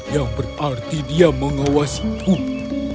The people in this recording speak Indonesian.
yang berarti dia mengawasi um